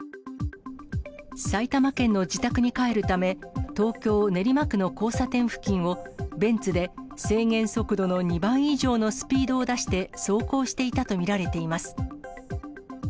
埼玉県の自宅に帰るため、東京・練馬区の交差点付近を、ベンツで制限速度の２倍以上のスピードを出して走行していたと見られています。